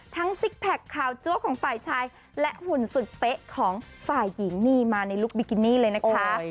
ซิกแพคข่าวจั๊วของฝ่ายชายและหุ่นสุดเป๊ะของฝ่ายหญิงนี่มาในลุคบิกินี่เลยนะคะ